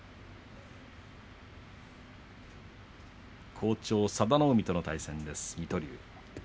好調、佐田の海との対戦水戸龍です。